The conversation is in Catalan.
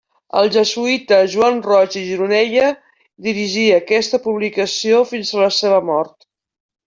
El jesuïta Joan Roig i Gironella dirigí aquesta publicació fins a la seva mort.